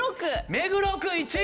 目黒区１位。